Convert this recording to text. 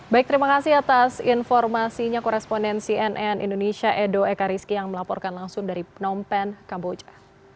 baik terima kasih atas informasinya korespondensi nn indonesia edo ekariski yang melaporkan langsung dari phnom penh kamboja